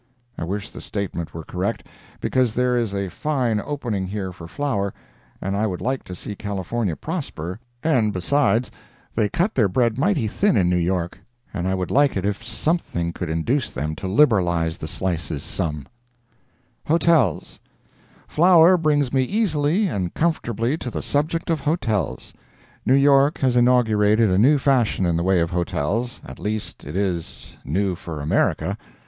I wish the statement were correct, because there is a fine opening here for flour, and I would like to see California prosper; and, besides, they cut their bread mighty thin in New York, and I would like it if something could induce them to liberalize the slices some. HOTELS Flour brings me easily and comfortably to the subject of hotels. New York has inaugurated a new fashion in the way of hotels—at least, it is new for America.